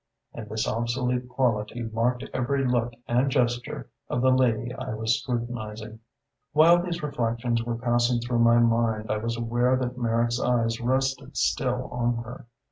And this obsolete quality marked every look and gesture of the lady I was scrutinizing. While these reflections were passing through my mind I was aware that Merrick's eyes rested still on her.